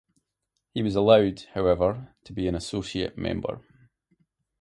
He was allowed, however, to be an associate member.